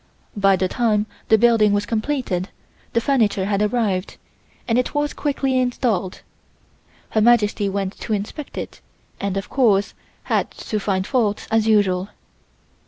By the time the building was completed the furniture had arrived, and it was quickly installed. Her Majesty went to inspect it and, of course, had to find fault as usual.